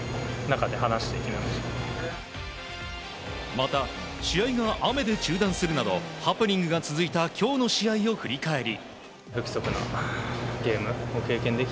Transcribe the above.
また、試合が雨で中断するなどハプニングが続いた今日の試合を振り返り。